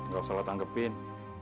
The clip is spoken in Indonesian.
gak usah lo tanggepin